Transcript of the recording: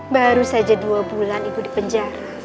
baru saja dua bulan ikut di penjara